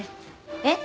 えっ？